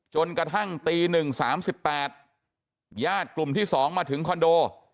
จนกระทั่งตีหนึ่งสามสิบแปดญาติกลุ่มที่สองมาถึงคอนโด